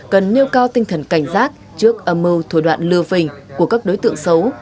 cần nêu cao tinh thần cảnh giác trước âm mưu thổi đoạn lừa phình của các đối tượng xấu